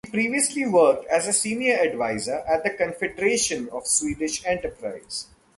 He previously worked as a senior adviser at the Confederation of Swedish Enterprise.